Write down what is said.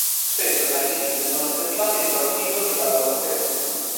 Spesso tali siti vengono disattivati entro alcuni giorni dalla loro creazione.